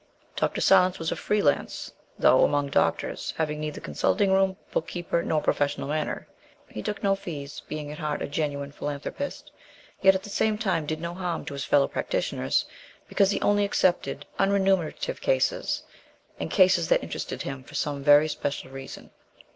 Dr. Silence was a free lance, though, among doctors, having neither consulting room, book keeper, nor professional manner. He took no fees, being at heart a genuine philanthropist, yet at the same time did no harm to his fellow practitioners, because he only accepted unremunerative cases, and cases that interested him for some very special reason.